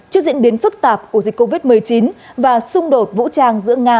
trước diễn biến phức tạp của dịch covid một mươi chín và xung đột vũ trang giữa nga